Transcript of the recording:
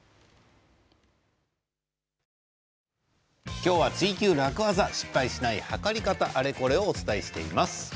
今日は「ツイＱ楽ワザ」失敗しないはかり方あれこれを、お伝えしています。